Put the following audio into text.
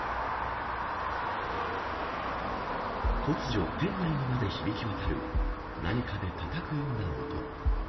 突如、店内にまで響き渡る何かで、たたくような音。